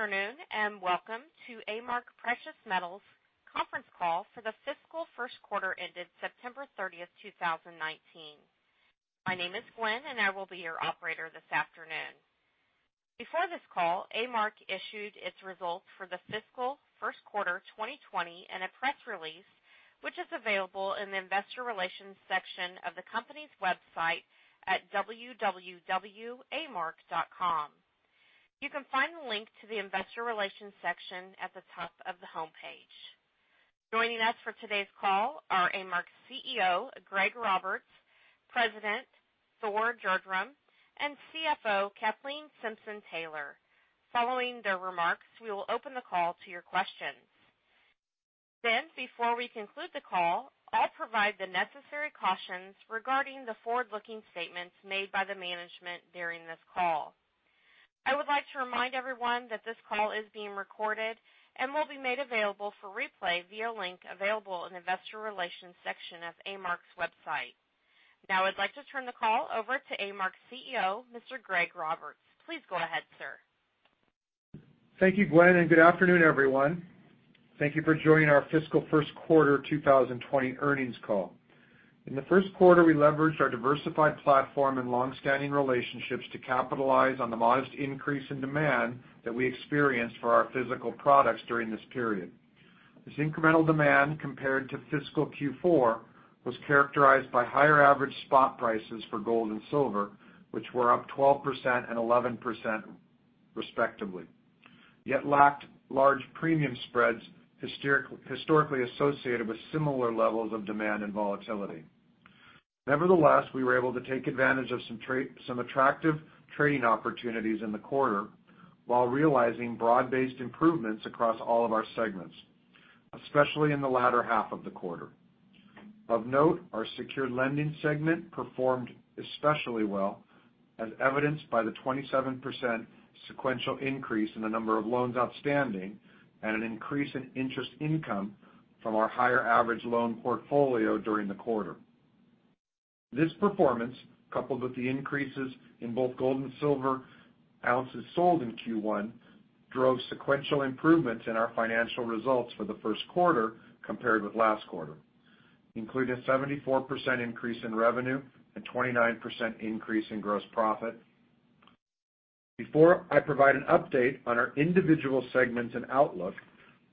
Good afternoon, and welcome to A-Mark Precious Metals' conference call for the fiscal first quarter ended September 30th, 2019. My name is Gwen, and I will be your operator this afternoon. Before this call, A-Mark issued its results for the fiscal first quarter 2020 in a press release, which is available in the investor relations section of the company's website at www.amark.com. You can find the link to the investor relations section at the top of the homepage. Joining us for today's call are A-Mark's CEO, Greg Roberts, President Thor Gjerdrum, and CFO Kathleen Simpson-Taylor. Following their remarks, we will open the call to your questions. Before we conclude the call, I'll provide the necessary cautions regarding the forward-looking statements made by the management during this call. I would like to remind everyone that this call is being recorded and will be made available for replay via a link available in the investor relations section of A-Mark's website. Now I'd like to turn the call over to A-Mark's CEO, Mr. Greg Roberts. Please go ahead, sir. Thank you, Gwen. Good afternoon, everyone. Thank you for joining our fiscal first quarter 2020 earnings call. In the first quarter, we leveraged our diversified platform and long-standing relationships to capitalize on the modest increase in demand that we experienced for our physical products during this period. This incremental demand, compared to fiscal Q4, was characterized by higher average spot prices for gold and silver, which were up 12% and 11% respectively, yet lacked large premium spreads historically associated with similar levels of demand and volatility. Nevertheless, we were able to take advantage of some attractive trading opportunities in the quarter while realizing broad-based improvements across all of our segments, especially in the latter half of the quarter. Of note, our secured lending segment performed especially well, as evidenced by the 27% sequential increase in the number of loans outstanding and an increase in interest income from our higher average loan portfolio during the quarter. This performance, coupled with the increases in both gold and silver ounces sold in Q1, drove sequential improvements in our financial results for the first quarter compared with last quarter, including a 74% increase in revenue and 29% increase in gross profit. Before I provide an update on our individual segments and outlook,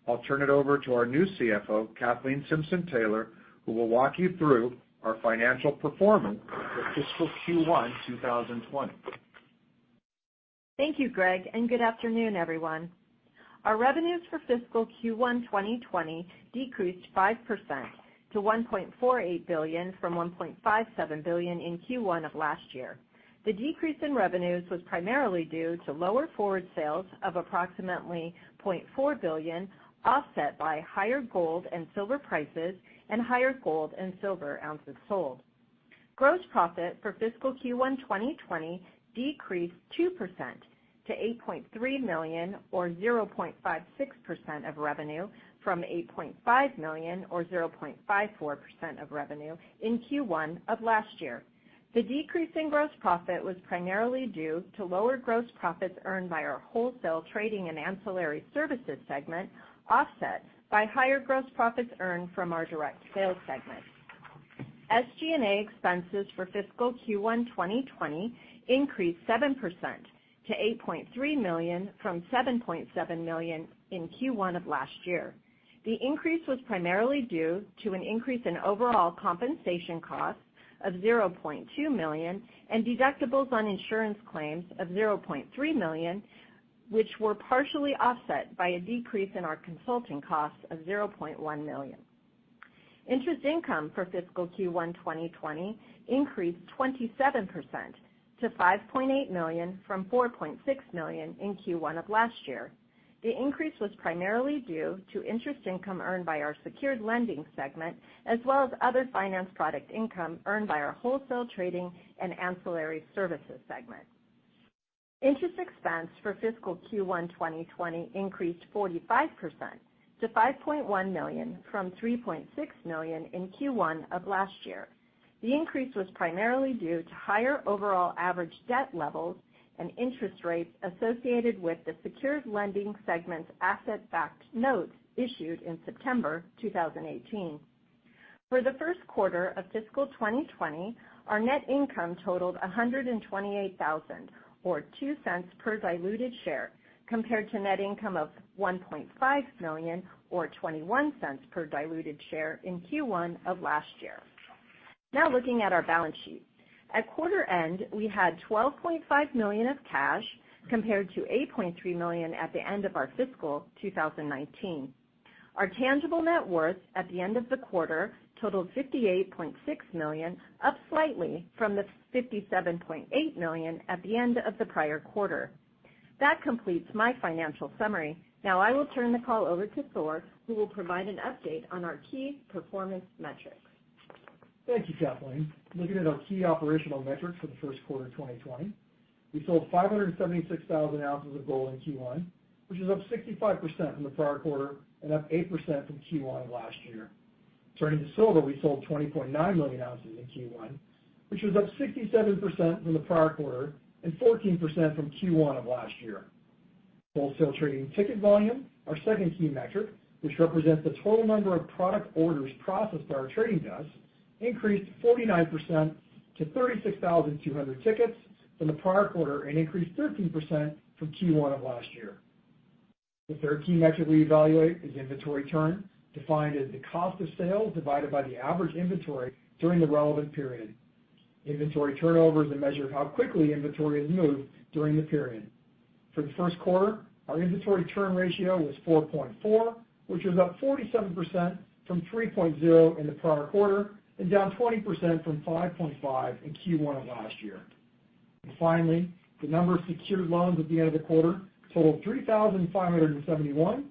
I'll turn it over to our new CFO, Kathleen Simpson-Taylor, who will walk you through our financial performance for fiscal Q1 2020. Thank you, Greg, and good afternoon, everyone. Our revenues for fiscal Q1 2020 decreased 5% to $1.48 billion from $1.57 billion in Q1 of last year. The decrease in revenues was primarily due to lower forward sales of approximately $0.4 billion, offset by higher gold and silver prices and higher gold and silver ounces sold. Gross profit for fiscal Q1 2020 decreased 2% to $8.3 million, or 0.56% of revenue, from $8.5 million, or 0.54% of revenue, in Q1 of last year. The decrease in gross profit was primarily due to lower gross profits earned by our wholesale trading and ancillary services segment, offset by higher gross profits earned from our direct sales segment. SG&A expenses for fiscal Q1 2020 increased 7% to $8.3 million from $7.7 million in Q1 of last year. The increase was primarily due to an increase in overall compensation costs of $0.2 million and deductibles on insurance claims of $0.3 million, which were partially offset by a decrease in our consulting costs of $0.1 million. Interest income for fiscal Q1 2020 increased 27% to $5.8 million from $4.6 million in Q1 of last year. The increase was primarily due to interest income earned by our secured lending segment, as well as other finance product income earned by our wholesale trading and ancillary services segment. Interest expense for fiscal Q1 2020 increased 45% to $5.1 million from $3.6 million in Q1 of last year. The increase was primarily due to higher overall average debt levels and interest rates associated with the secured lending segment's asset-backed notes issued in September 2018. For the first quarter of fiscal 2020, our net income totaled $128,000, or $0.02 per diluted share, compared to net income of $1.5 million or $0.21 per diluted share in Q1 of last year. Looking at our balance sheet. At quarter end, we had $12.5 million of cash compared to $8.3 million at the end of our fiscal 2019. Our tangible net worth at the end of the quarter totaled $58.6 million, up slightly from the $57.8 million at the end of the prior quarter. That completes my financial summary. I will turn the call over to Thor, who will provide an update on our key performance metrics. Thank you, Kathleen. Looking at our key operational metrics for the first quarter 2020, we sold 576,000 ounces of gold in Q1, which is up 65% from the prior quarter. Up 8% from Q1 last year. Turning to silver, we sold 20.9 million ounces in Q1, which was up 67% from the prior quarter, and 14% from Q1 of last year. Wholesale trading ticket volume, our second key metric, which represents the total number of product orders processed by our trading desk, increased 49% to 36,200 tickets from the prior quarter, and increased 13% from Q1 of last year. The third key metric we evaluate is inventory turn, defined as the cost of sales divided by the average inventory during the relevant period. Inventory turnover is a measure of how quickly inventory has moved during the period. For the first quarter, our inventory turn ratio was 4.4, which was up 47% from 3.0 in the prior quarter, and down 20% from 5.5 in Q1 of last year. Finally, the number of secured loans at the end of the quarter totaled 3,571,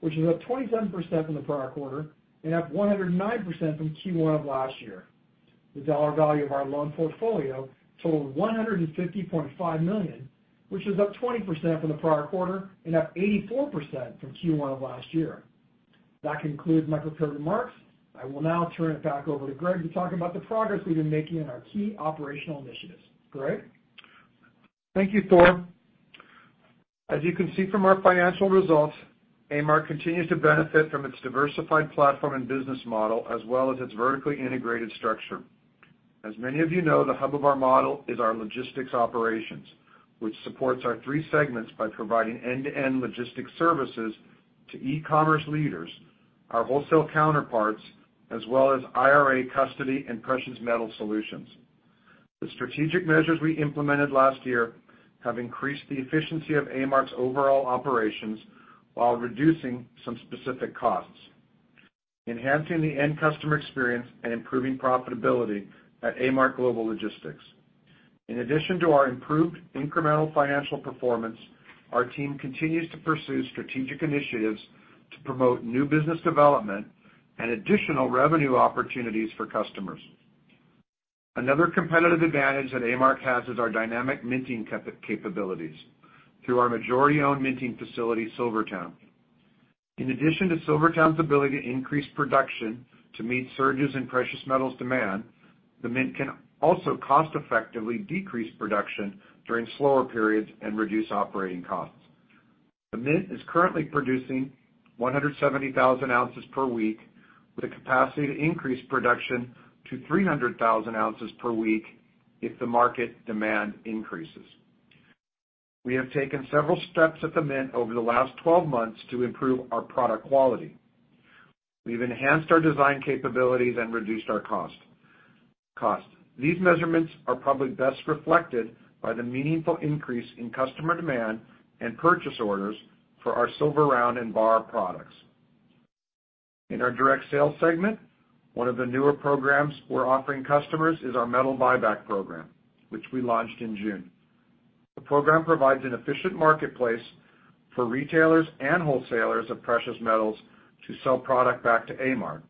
which is up 27% from the prior quarter and up 109% from Q1 of last year. The dollar value of our loan portfolio totaled $150.5 million, which was up 20% from the prior quarter and up 84% from Q1 of last year. That concludes my prepared remarks. I will now turn it back over to Greg to talk about the progress we've been making in our key operational initiatives. Greg? Thank you, Thor. As you can see from our financial results, A-Mark continues to benefit from its diversified platform and business model, as well as its vertically integrated structure. As many of you know, the hub of our model is our logistics operations, which supports our three segments by providing end-to-end logistics services to e-commerce leaders, our wholesale counterparts, as well as IRA custody and precious metal solutions. The strategic measures we implemented last year have increased the efficiency of A-Mark's overall operations while reducing some specific costs, enhancing the end customer experience, and improving profitability at A-Mark Global Logistics. In addition to our improved incremental financial performance, our team continues to pursue strategic initiatives to promote new business development and additional revenue opportunities for customers. Another competitive advantage that A-Mark has is our dynamic minting capabilities through our majority-owned minting facility, SilverTowne. In addition to SilverTowne's ability to increase production to meet surges in precious metals demand, the mint can also cost-effectively decrease production during slower periods and reduce operating costs. The mint is currently producing 170,000 ounces per week, with the capacity to increase production to 300,000 ounces per week if the market demand increases. We have taken several steps at the mint over the last 12 months to improve our product quality. We've enhanced our design capabilities and reduced our costs. These measurements are probably best reflected by the meaningful increase in customer demand and purchase orders for our silver round and bar products. In our direct sales segment, one of the newer programs we're offering customers is our metal buyback program, which we launched in June. The program provides an efficient marketplace for retailers and wholesalers of precious metals to sell product back to A-Mark.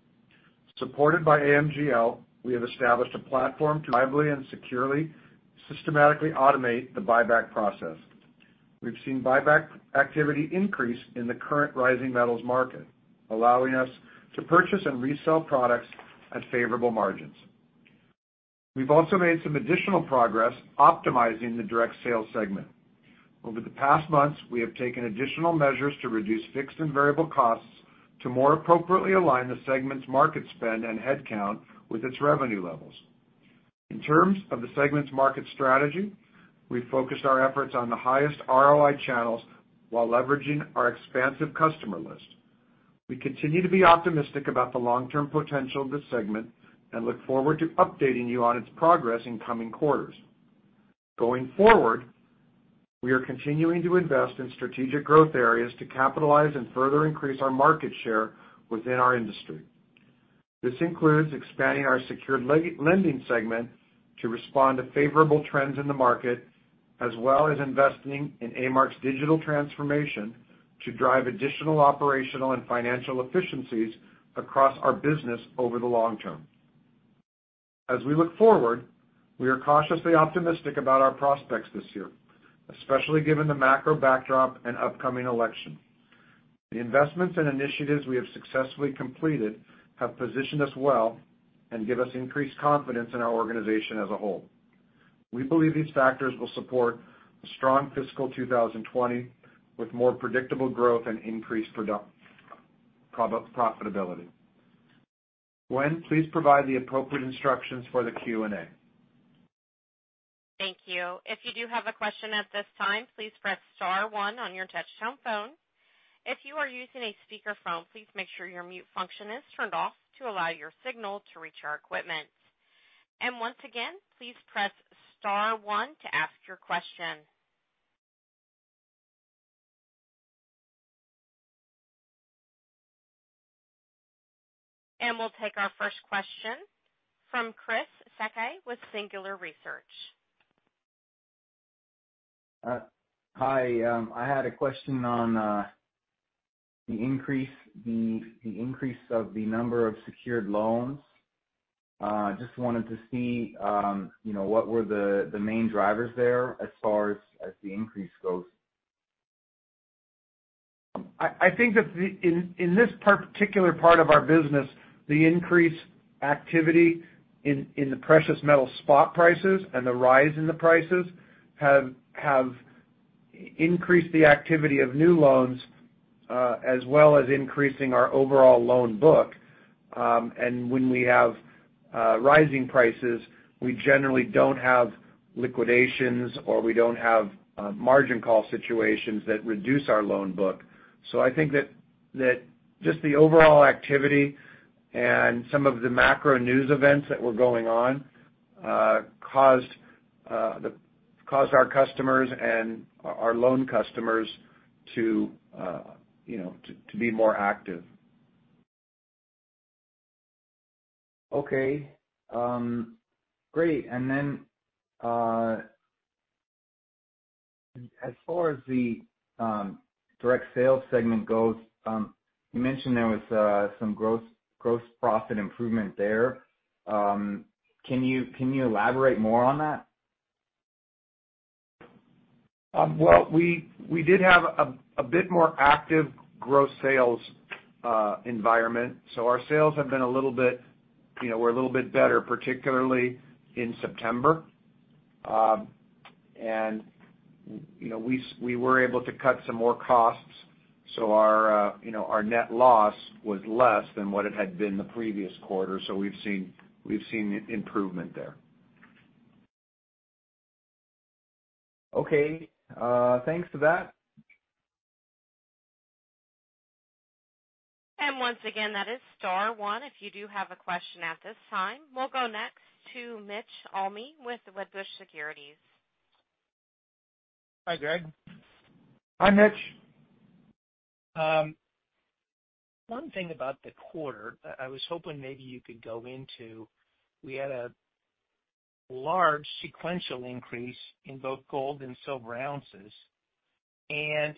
Supported by AMGL, we have established a platform to reliably and securely, systematically automate the buyback process. We've seen buyback activity increase in the current rising metals market, allowing us to purchase and resell products at favorable margins. We've also made some additional progress optimizing the direct sales segment. Over the past months, we have taken additional measures to reduce fixed and variable costs to more appropriately align the segment's market spend and headcount with its revenue levels. In terms of the segment's market strategy, we focused our efforts on the highest ROI channels while leveraging our expansive customer list. We continue to be optimistic about the long-term potential of this segment and look forward to updating you on its progress in coming quarters. Going forward, we are continuing to invest in strategic growth areas to capitalize and further increase our market share within our industry. This includes expanding our secured lending segment to respond to favorable trends in the market, as well as investing in A-Mark's digital transformation to drive additional operational and financial efficiencies across our business over the long term. As we look forward, we are cautiously optimistic about our prospects this year, especially given the macro backdrop and upcoming election. The investments and initiatives we have successfully completed have positioned us well and give us increased confidence in our organization as a whole. We believe these factors will support a strong fiscal 2020, with more predictable growth and increased profitability. Gwen, please provide the appropriate instructions for the Q&A. Thank you. If you do have a question at this time, please press star one on your touchtone phone. If you are using a speakerphone, please make sure your mute function is turned off to allow your signal to reach our equipment. Once again, please press star one to ask your question. We'll take our first question from Chris Sakai with Singular Research. Hi. I had a question on the increase of the number of secured loans. Just wanted to see what were the main drivers there as far as the increase goes? I think that in this particular part of our business, the increased activity in the precious metal spot prices and the rise in the prices have increased the activity of new loans, as well as increasing our overall loan book. When we have rising prices, we generally don't have liquidations or we don't have margin call situations that reduce our loan book. I think that just the overall activity and some of the macro news events that were going on caused our customers and our loan customers to be more active. Okay. Great. As far as the direct sales segment goes, you mentioned there was some gross profit improvement there. Can you elaborate more on that? Well, we did have a bit more active gross sales environment. Our sales have been a little bit better, particularly in September. We were able to cut some more costs, so our net loss was less than what it had been the previous quarter. We've seen improvement there. Okay. Thanks for that. Once again, that is star one, if you do have a question at this time. We'll go next to Mitch Almy with the Wedbush Securities. Hi, Greg. Hi, Mitch. One thing about the quarter that I was hoping maybe you could go into, we had a large sequential increase in both gold and silver ounces.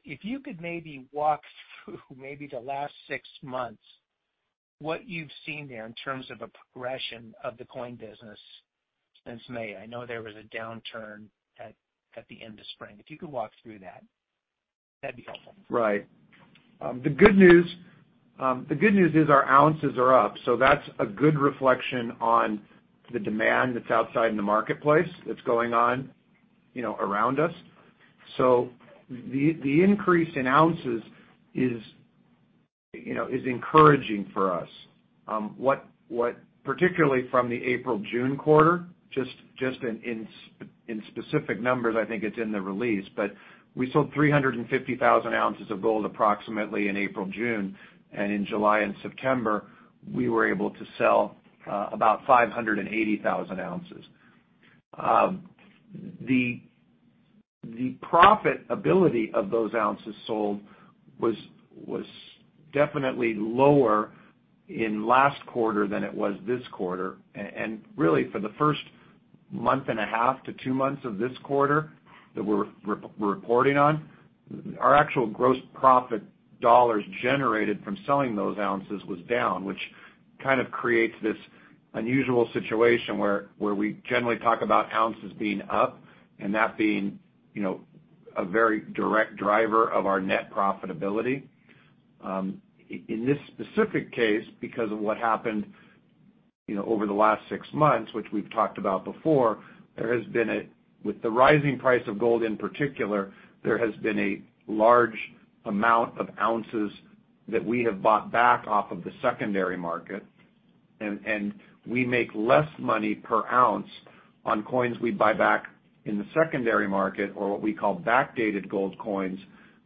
If you could maybe walk through maybe the last six months, what you've seen there in terms of a progression of the coin business since May. I know there was a downturn at the end of spring. If you could walk through that'd be helpful. Right. The good news is our ounces are up. That's a good reflection on the demand that's outside in the marketplace that's going on around us. The increase in ounces is encouraging for us. Particularly from the April-June quarter, just in specific numbers, I think it's in the release. We sold 350,000 ounces of gold approximately in April-June. In July and September, we were able to sell about 580,000 ounces. The profitability of those ounces sold was definitely lower in last quarter than it was this quarter. Really for the first month and a half to two months of this quarter that we're reporting on, our actual gross profit dollars generated from selling those ounces was down, which kind of creates this unusual situation where we generally talk about ounces being up and that being a very direct driver of our net profitability. In this specific case, because of what happened over the last six months, which we've talked about before, with the rising price of gold in particular, there has been a large amount of ounces that we have bought back off of the secondary market, and we make less money per ounce on coins we buy back in the secondary market or what we call backdated gold coins,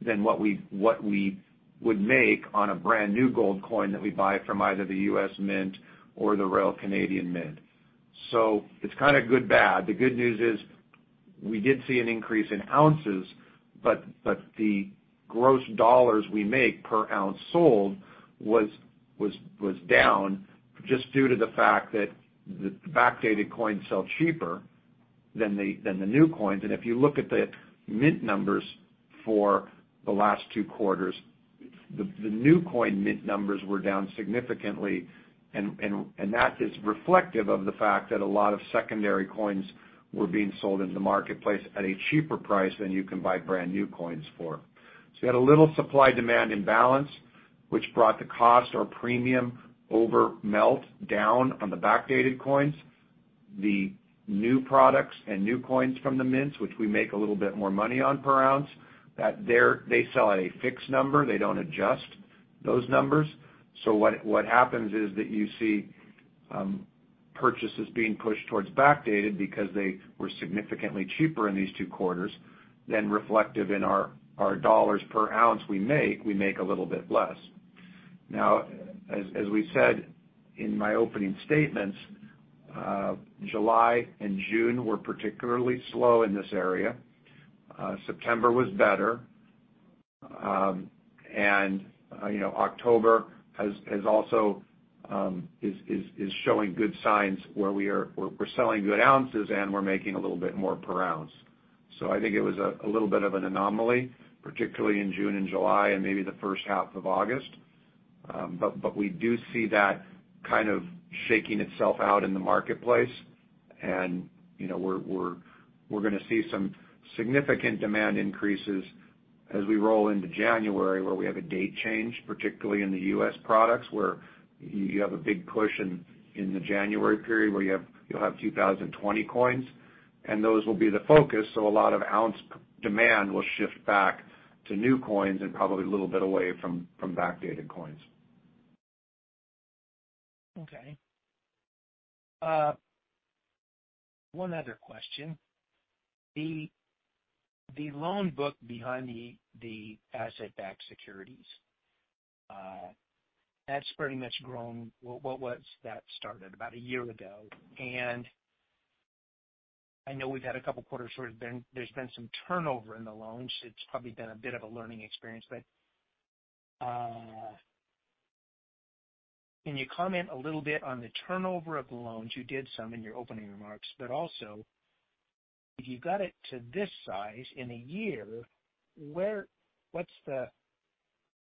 than what we would make on a brand-new gold coin that we buy from either the U.S. Mint or the Royal Canadian Mint. It's kind of good bad. The good news is we did see an increase in ounces, but the gross $ we make per ounce sold was down just due to the fact that the backdated coins sell cheaper than the new coins. If you look at the mint numbers for the last two quarters, the new coin mint numbers were down significantly, and that is reflective of the fact that a lot of secondary coins were being sold into the marketplace at a cheaper price than you can buy brand-new coins for. We had a little supply-demand imbalance, which brought the cost or premium over melt down on the backdated coins. The new products and new coins from the mints, which we make a little bit more money on per ounce, they sell at a fixed number. They don't adjust those numbers. What happens is that you see purchases being pushed towards backdated because they were significantly cheaper in these two quarters than reflective in our $ per ounce we make a little bit less. Now, as we said in my opening statements, July and June were particularly slow in this area. September was better. October is showing good signs where we're selling good ounces and we're making a little bit more per ounce. I think it was a little bit of an anomaly, particularly in June and July and maybe the first half of August. We do see that kind of shaking itself out in the marketplace, and we're going to see some significant demand increases as we roll into January, where we have a date change, particularly in the U.S. products, where you have a big push in the January period where you'll have 2020 coins, and those will be the focus. A lot of ounce demand will shift back to new coins and probably a little bit away from backdated coins. Okay. One other question. The loan book behind the asset-backed securities, that's pretty much grown. What was that started about a year ago? I know we've had a couple quarters where there's been some turnover in the loans. It's probably been a bit of a learning experience, but can you comment a little bit on the turnover of the loans? You did some in your opening remarks, but also if you got it to this size in a year,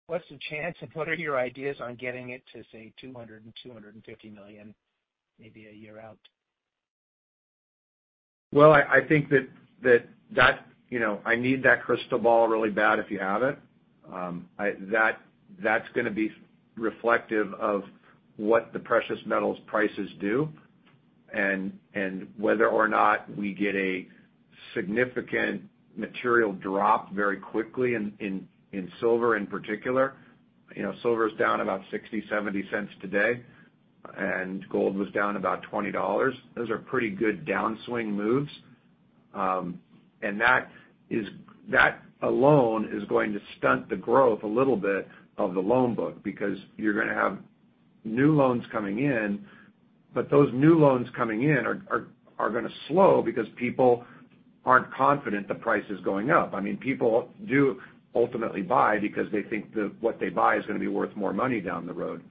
what's the chance, and what are your ideas on getting it to, say, $200 million and $250 million maybe a year out? Well, I think that I need that crystal ball really bad if you have it. That's going to be reflective of what the precious metals prices do and whether or not we get a significant material drop very quickly in silver in particular. Silver's down about $0.60, $0.70 today, and gold was down about $20. Those are pretty good downswing moves. That alone is going to stunt the growth a little bit of the loan book because you're going to have new loans coming in, but those new loans coming in are going to slow because people aren't confident the price is going up. People do ultimately buy because they think that what they buy is going to be worth more money down the road.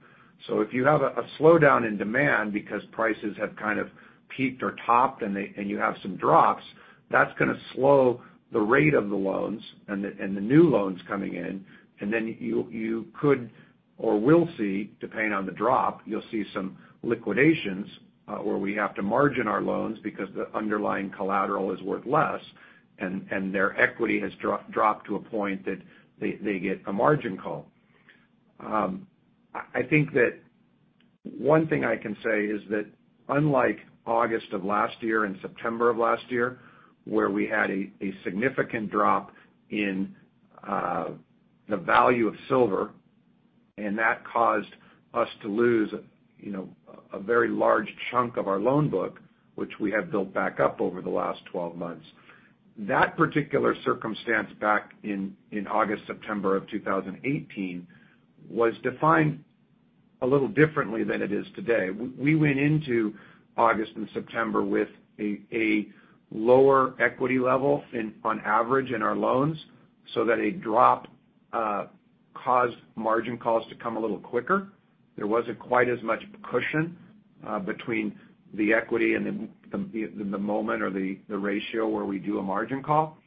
If you have a slowdown in demand because prices have kind of peaked or topped and you have some drops, that's going to slow the rate of the loans and the new loans coming in. You could or will see, depending on the drop, you'll see some liquidations where we have to margin our loans because the underlying collateral is worth less and their equity has dropped to a point that they get a margin call. I think that one thing I can say is that unlike August of last year and September of last year, where we had a significant drop in the value of silver, and that caused us to lose a very large chunk of our loan book, which we have built back up over the last 12 months. That particular circumstance back in August, September of 2018 was defined a little differently than it is today. We went into August and September with a lower equity level on average in our loans that a drop caused margin calls to come a little quicker. There wasn't quite as much cushion between the equity and the moment or the ratio where we do a margin call.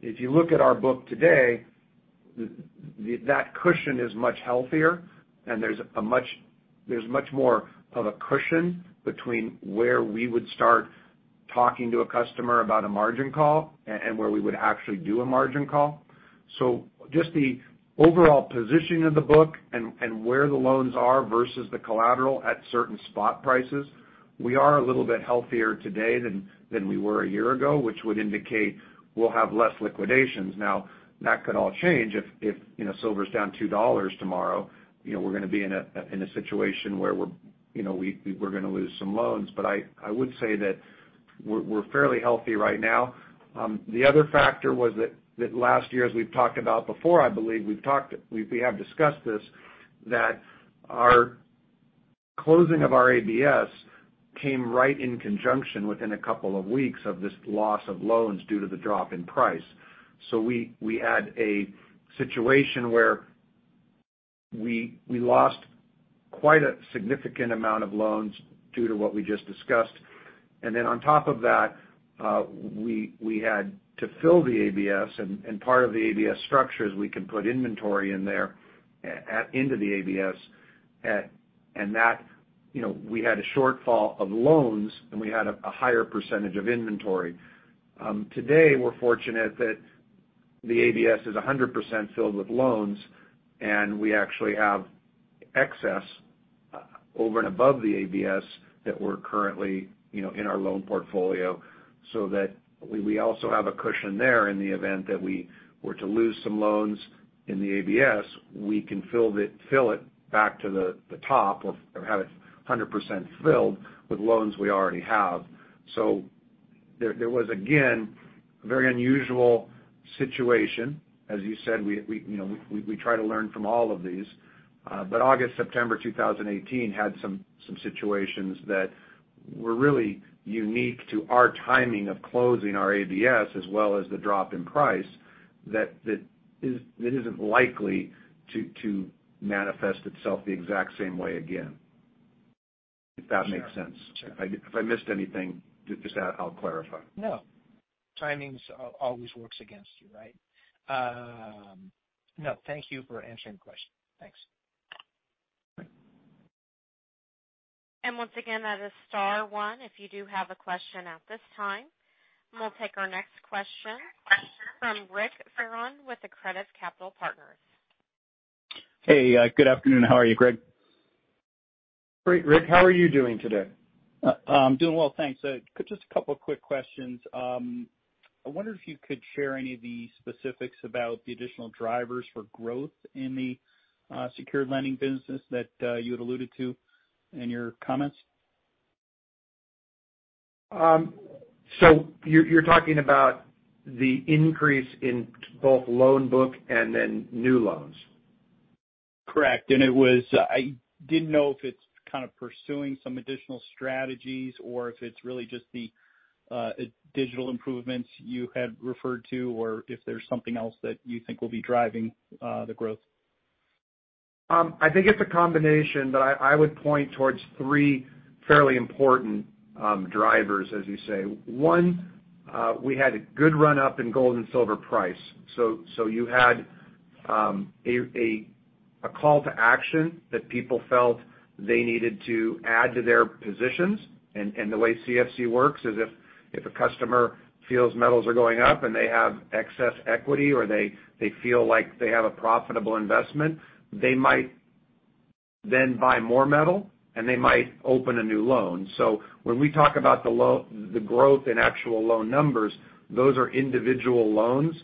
If you look at our book today, that cushion is much healthier, and there's much more of a cushion between where we would start talking to a customer about a margin call and where we would actually do a margin call. Just the overall positioning of the book and where the loans are versus the collateral at certain spot prices, we are a little bit healthier today than we were a year ago, which would indicate we'll have less liquidations. Now, that could all change if silver's down $2 tomorrow. We're going to be in a situation where we're going to lose some loans. I would say that we're fairly healthy right now. The other factor was that last year, as we've talked about before, I believe we have discussed this, that our closing of our ABS came right in conjunction within a couple of weeks of this loss of loans due to the drop in price. We had a situation where we lost quite a significant amount of loans due to what we just discussed. On top of that, we had to fill the ABS, and part of the ABS structure is we can put inventory in there into the ABS. We had a shortfall of loans, and we had a higher percentage of inventory. Today, we're fortunate that the ABS is 100% filled with loans, and we actually have excess over and above the ABS that we're currently in our loan portfolio so that we also have a cushion there in the event that we were to lose some loans in the ABS. We can fill it back to the top or have it 100% filled with loans we already have. There was, again, a very unusual situation. As you said, we try to learn from all of these. August, September 2018 had some situations that were really unique to our timing of closing our ABS, as well as the drop in price that isn't likely to manifest itself the exact same way again. If that makes sense? Sure. If I missed anything, just I'll clarify. No. Timing always works against you, right? No, thank you for answering the question. Thanks. Okay. Once again, that is star one if you do have a question at this time. We'll take our next question from Rick Fearon with Accretive Capital Partners. Hey, good afternoon. How are you, Greg? Great, Rick. How are you doing today? I'm doing well, thanks. Just a couple of quick questions. I wonder if you could share any of the specifics about the additional drivers for growth in the secured lending business that you had alluded to in your comments. You're talking about the increase in both loan book and then new loans. Correct. I didn't know if it's kind of pursuing some additional strategies or if it's really just the digital improvements you had referred to, or if there's something else that you think will be driving the growth. I think it's a combination, but I would point towards three fairly important drivers, as you say. One, we had a good run-up in gold and silver price. You had a call to action that people felt they needed to add to their positions, and the way CFC works is if a customer feels metals are going up and they have excess equity or they feel like they have a profitable investment, they might then buy more metal, and they might open a new loan. When we talk about the growth in actual loan numbers, those are individual loans,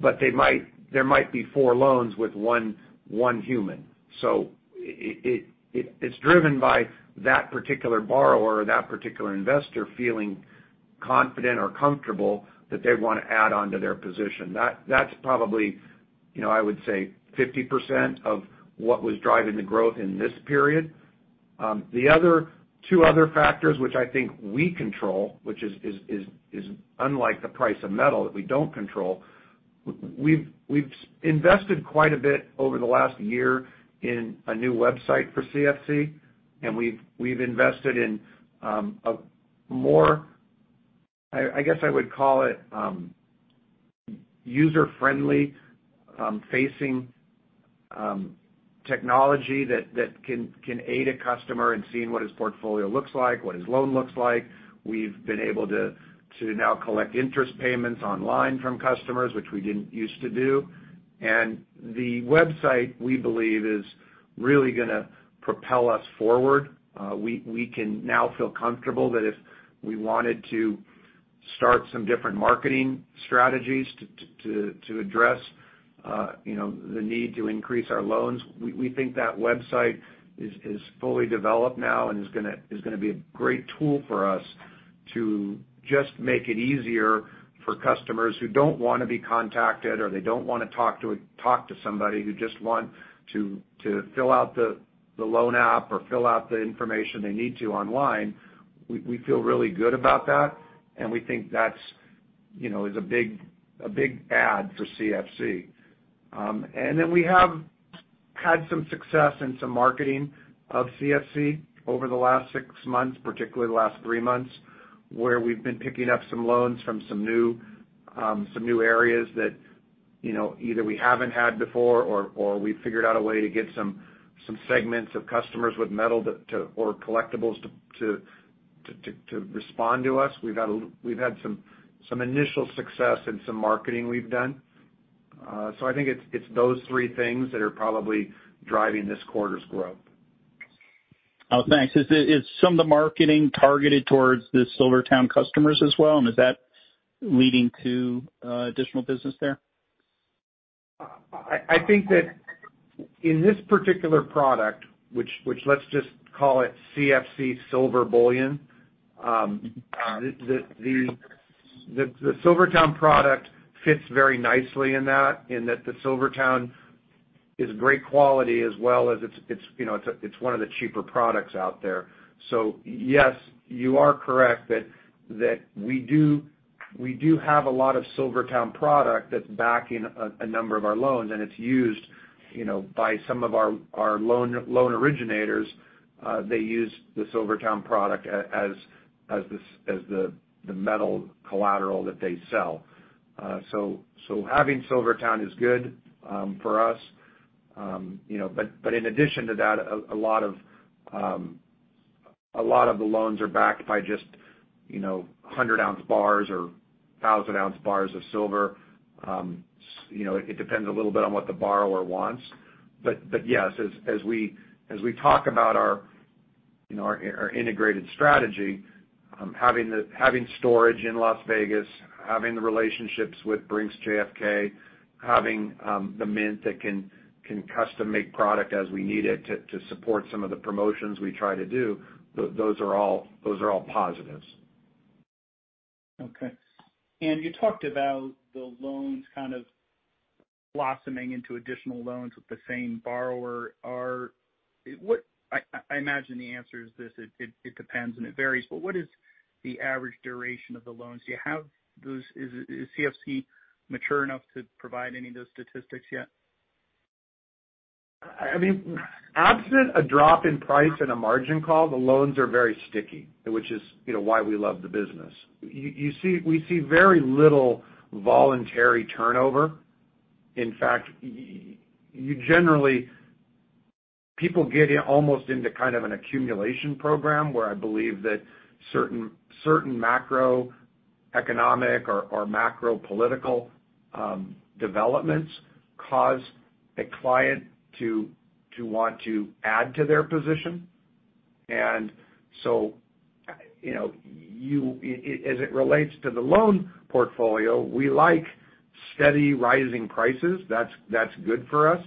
but there might be four loans with one human. It's driven by that particular borrower or that particular investor feeling confident or comfortable that they want to add on to their position. That's probably, I would say, 50% of what was driving the growth in this period. The other two other factors, which I think we control, which is unlike the price of metal that we don't control. We've invested quite a bit over the last year in a new website for CFC, and we've invested in a more, I guess I would call it, user-friendly facing technology that can aid a customer in seeing what his portfolio looks like, what his loan looks like. We've been able to now collect interest payments online from customers, which we didn't used to do. The website, we believe, is really gonna propel us forward. We can now feel comfortable that if we wanted to start some different marketing strategies to address the need to increase our loans. We think that website is fully developed now and is gonna be a great tool for us to just make it easier for customers who don't want to be contacted, or they don't want to talk to somebody, who just want to fill out the loan app or fill out the information they need to online. We feel really good about that, and we think that's a big add for CFC. We have had some success in some marketing of CFC over the last six months, particularly the last three months, where we've been picking up some loans from some new areas that either we haven't had before or we figured out a way to get some segments of customers with metal or collectibles to respond to us. We've had some initial success in some marketing we've done. I think it's those three things that are probably driving this quarter's growth. Oh, thanks. Is some of the marketing targeted towards the SilverTowne customers as well, and is that leading to additional business there? I think that in this particular product, which let's just call it CFC Silver Bullion. The SilverTowne product fits very nicely in that, in that the SilverTowne is great quality as well as it's one of the cheaper products out there. Yes, you are correct that we do have a lot of SilverTowne product that's backing a number of our loans, and it's used by some of our loan originators. They use the SilverTowne product as the metal collateral that they sell. Having SilverTowne is good for us. In addition to that, a lot of the loans are backed by just 100-ounce bars or 1,000-ounce bars of silver. It depends a little bit on what the borrower wants. Yes, as we talk about our integrated strategy, having storage in Las Vegas, having the relationships with Brink's JFK, having the mint that can custom-make product as we need it to support some of the promotions we try to do, those are all positives. Okay. You talked about the loans kind of blossoming into additional loans with the same borrower. I imagine the answer is this, it depends and it varies, but what is the average duration of the loans? Is CFC mature enough to provide any of those statistics yet? I mean, absent a drop in price and a margin call, the loans are very sticky, which is why we love the business. We see very little voluntary turnover. In fact, generally, people get almost into kind of an accumulation program where I believe that certain macroeconomic or macro political developments cause a client to want to add to their position. As it relates to the loan portfolio, we like steady rising prices. That's good for us.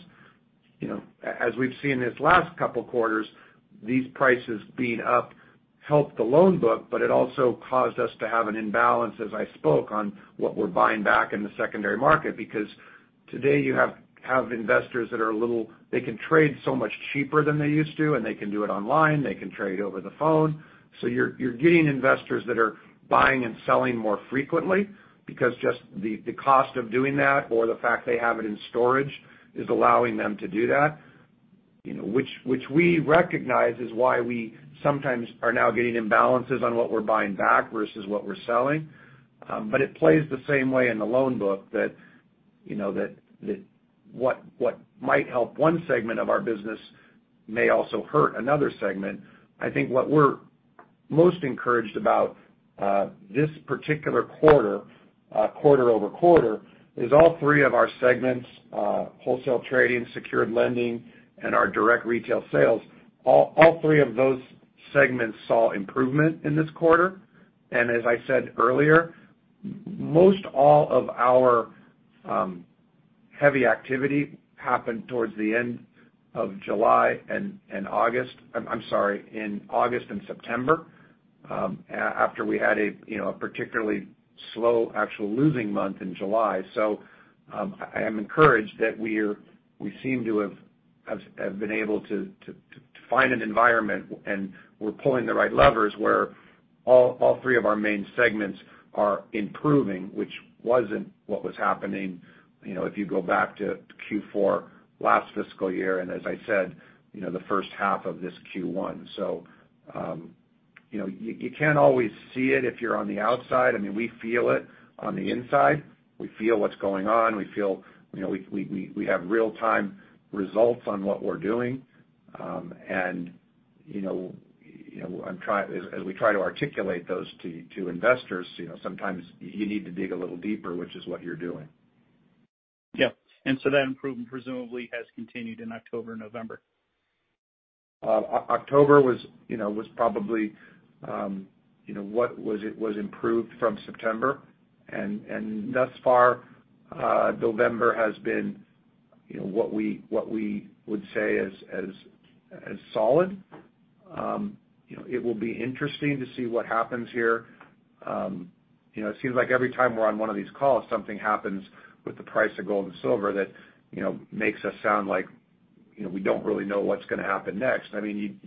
As we've seen these last couple of quarters, these prices being up helped the loan book, but it also caused us to have an imbalance, as I spoke, on what we're buying back in the secondary market, because today you have investors that are they can trade so much cheaper than they used to, and they can do it online, they can trade over the phone. You're getting investors that are buying and selling more frequently because just the cost of doing that or the fact they have it in storage is allowing them to do that, which we recognize is why we sometimes are now getting imbalances on what we're buying back versus what we're selling. It plays the same way in the loan book that what might help one segment of our business may also hurt another segment. I think what we're most encouraged about this particular quarter-over-quarter, is all three of our segments, wholesale trading, secured lending, and our direct retail sales, all three of those segments saw improvement in this quarter. As I said earlier, most all of our heavy activity happened towards the end of July and August. I'm sorry, in August and September, after we had a particularly slow, actual losing month in July. I am encouraged that we seem to have been able to find an environment, and we're pulling the right levers where all three of our main segments are improving, which wasn't what was happening if you go back to Q4 last fiscal year, and as I said, the first half of this Q1. You can't always see it if you're on the outside. I mean, we feel it on the inside. We feel what's going on. We have real-time results on what we're doing. As we try to articulate those to investors, sometimes you need to dig a little deeper, which is what you're doing. Yeah. That improvement presumably has continued in October, November. October was probably what was improved from September. Thus far, November has been what we would say is solid. It will be interesting to see what happens here. It seems like every time we're on one of these calls, something happens with the price of gold and silver that makes us sound like we don't really know what's going to happen next. I mean,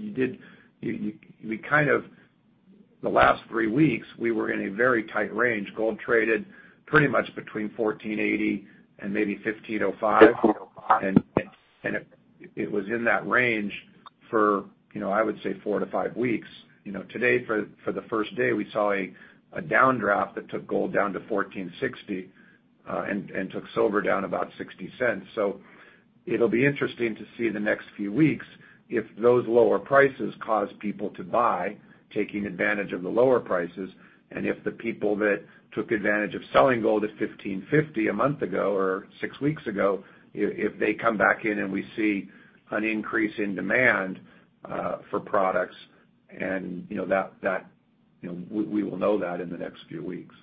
the last three weeks, we were in a very tight range. Gold traded pretty much between $1,480-$1,505. It was in that range for, I would say, four to five weeks. Today, for the first day, we saw a downdraft that took gold down to $1,460, and took silver down about $0.60. It'll be interesting to see the next few weeks if those lower prices cause people to buy, taking advantage of the lower prices, and if the people that took advantage of selling gold at $1,550 a month ago or six weeks ago, if they come back in and we see an increase in demand for products, and we will know that in the next few weeks.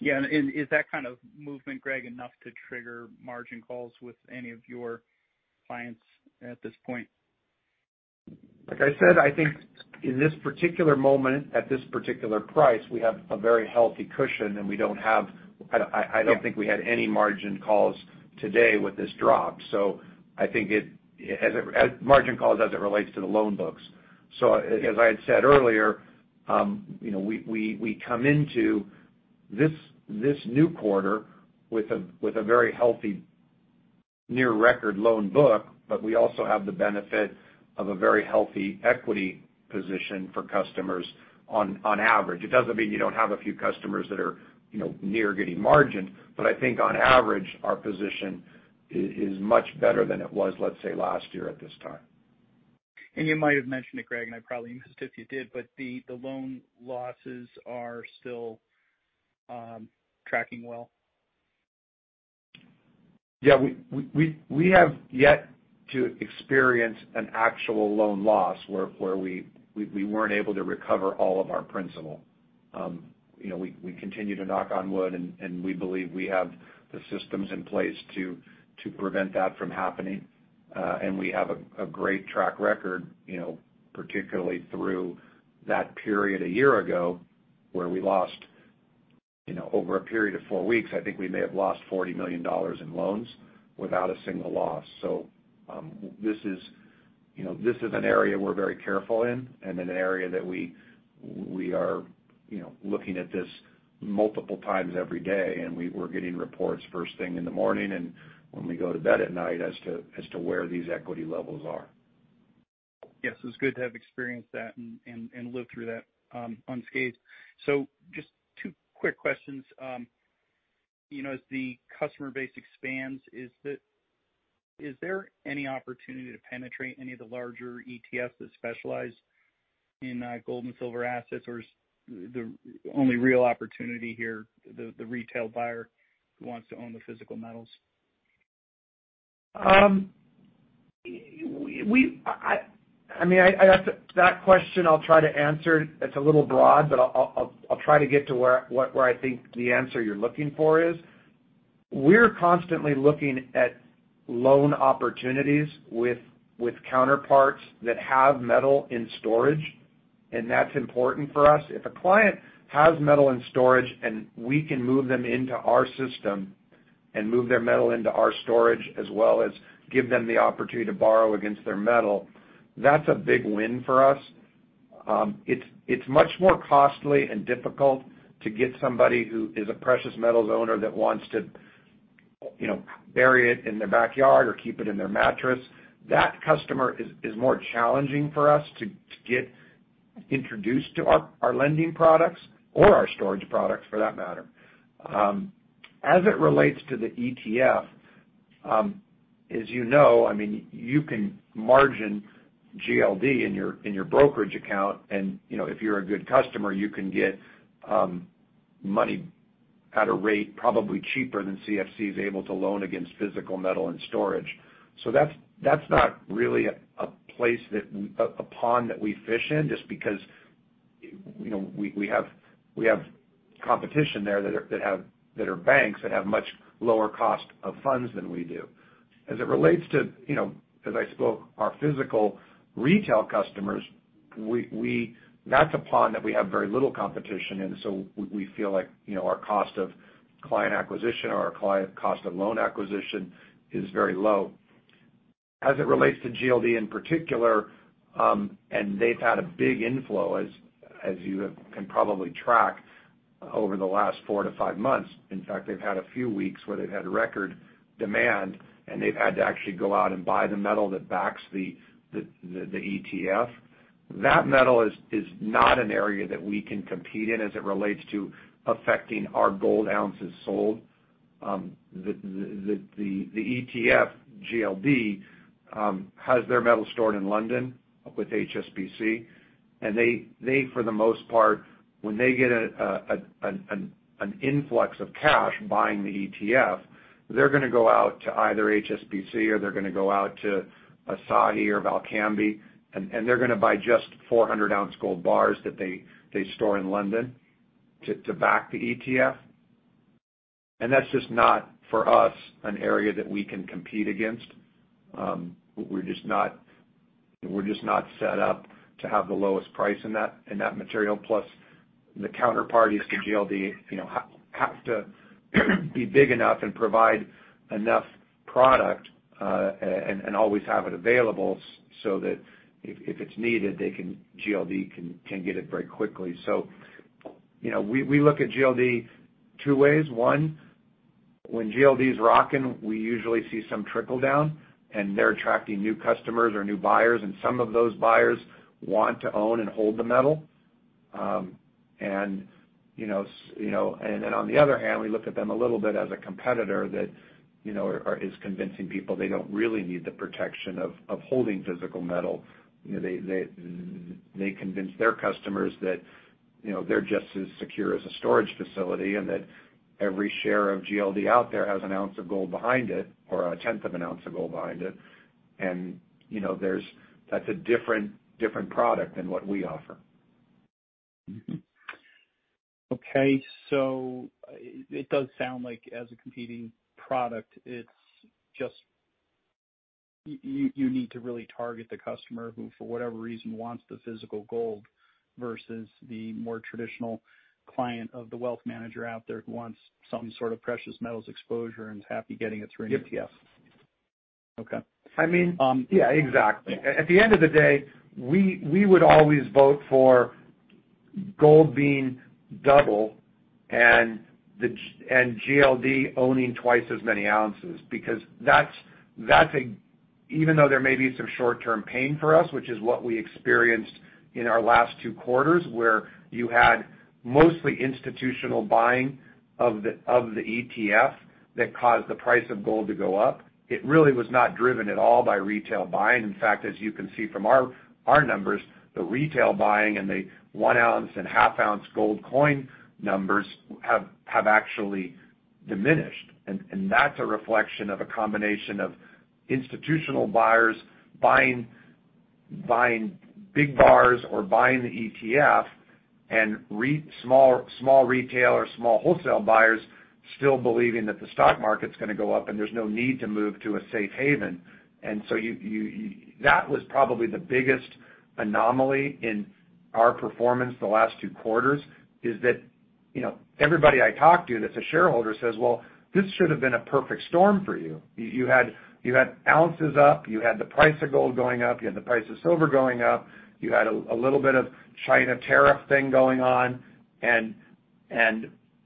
Yeah. Is that kind of movement, Greg, enough to trigger margin calls with any of your clients at this point? Like I said, I think in this particular moment, at this particular price, we have a very healthy cushion, and I don't think we had any margin calls today with this drop. I think margin calls as it relates to the loan books. As I had said earlier, we come into this new quarter with a very healthy near-record loan book, but we also have the benefit of a very healthy equity position for customers on average. It doesn't mean you don't have a few customers that are near getting margined, but I think on average, our position is much better than it was, let's say, last year at this time. You might have mentioned it, Greg, and I probably missed it if you did, but the loan losses are still tracking well? Yeah, we have yet to experience an actual loan loss where we weren't able to recover all of our principal. We continue to knock on wood, and we believe we have the systems in place to prevent that from happening. We have a great track record particularly through that period a year ago where we lost over a period of four weeks, I think we may have lost $40 million in loans without a single loss. This is an area we're very careful in, and an area that we are looking at this multiple times every day, and we're getting reports first thing in the morning and when we go to bed at night as to where these equity levels are. Yes, it's good to have experienced that and lived through that unscathed. Just two quick questions. As the customer base expands, is there any opportunity to penetrate any of the larger ETFs that specialize in gold and silver assets, or is the only real opportunity here the retail buyer who wants to own the physical metals? That question I'll try to answer. It's a little broad, but I'll try to get to where I think the answer you're looking for is. We're constantly looking at loan opportunities with counterparts that have metal in storage, and that's important for us. If a client has metal in storage and we can move them into our system and move their metal into our storage, as well as give them the opportunity to borrow against their metal, that's a big win for us. It's much more costly and difficult to get somebody who is a precious metals owner that wants to bury it in their backyard or keep it in their mattress. That customer is more challenging for us to get introduced to our lending products or our storage products, for that matter. As it relates to the ETF, as you know, you can margin GLD in your brokerage account, and if you're a good customer, you can get money at a rate probably cheaper than CFC is able to loan against physical metal and storage. That's not really a pond that we fish in just because we have competition there that are banks that have much lower cost of funds than we do. As it relates to, as I spoke, our physical retail customers, that's a pond that we have very little competition in, so we feel like our cost of client acquisition or our cost of loan acquisition is very low. As it relates to GLD in particular, and they've had a big inflow, as you can probably track over the last four to five months. In fact, they've had a few weeks where they've had record demand and they've had to actually go out and buy the metal that backs the ETF. That metal is not an area that we can compete in as it relates to affecting our gold ounces sold. The ETF, GLD, has their metal stored in London with HSBC, and they, for the most part, when they get an influx of cash buying the ETF, they're going to go out to either HSBC or they're going to go out to Asahi or Valcambi, and they're going to buy just 400-ounce gold bars that they store in London to back the ETF. That's just not, for us, an area that we can compete against. We're just not set up to have the lowest price in that material. The counterparties to GLD have to be big enough and provide enough product and always have it available so that if it's needed, GLD can get it very quickly. We look at GLD two ways. One, when GLD's rocking, we usually see some trickle-down, and they're attracting new customers or new buyers, and some of those buyers want to own and hold the metal. On the other hand, we look at them a little bit as a competitor that is convincing people they don't really need the protection of holding physical metal. They convince their customers that they're just as secure as a storage facility and that every share of GLD out there has an ounce of gold behind it, or a tenth of an ounce of gold behind it. That's a different product than what we offer. It does sound like as a competing product, you need to really target the customer who, for whatever reason, wants the physical gold versus the more traditional client of the wealth manager out there who wants some sort of precious metals exposure and is happy getting it through an ETF. Yep. Okay. Yeah, exactly. At the end of the day, we would always vote for gold being double and GLD owning twice as many ounces, because even though there may be some short-term pain for us, which is what we experienced in our last two quarters, where you had mostly institutional buying of the ETF that caused the price of gold to go up, it really was not driven at all by retail buying. In fact, as you can see from our numbers, the retail buying and the one-ounce and half-ounce gold coin numbers have actually diminished. That's a reflection of a combination of institutional buyers buying big bars or buying the ETF and small retail or small wholesale buyers still believing that the stock market's going to go up and there's no need to move to a safe haven. That was probably the biggest anomaly in our performance the last two quarters, is that everybody I talk to that's a shareholder says, "Well, this should have been a perfect storm for you." You had ounces up, you had the price of gold going up, you had the price of silver going up, you had a little bit of China tariff thing going on, and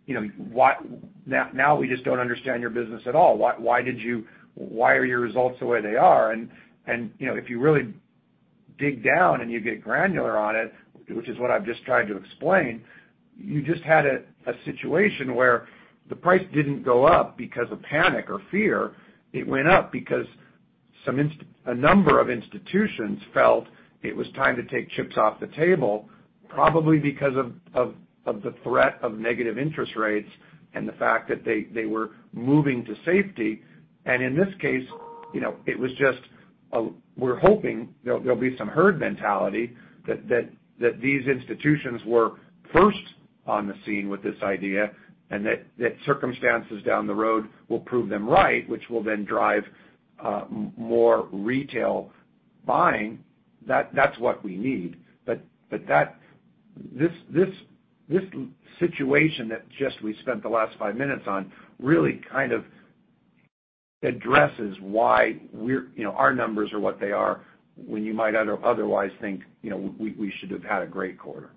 now we just don't understand your business at all. Why are your results the way they are? If you really dig down and you get granular on it, which is what I've just tried to explain, you just had a situation where the price didn't go up because of panic or fear. It went up because a number of institutions felt it was time to take chips off the table, probably because of the threat of negative interest rates and the fact that they were moving to safety. In this case, we're hoping there'll be some herd mentality that these institutions were first on the scene with this idea, and that circumstances down the road will prove them right, which will then drive more retail buying. That's what we need. This situation that just we spent the last five minutes on really kind of addresses why our numbers are what they are when you might otherwise think we should have had a great quarter.